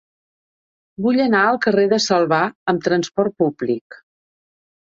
Vull anar al carrer de Salvà amb trasport públic.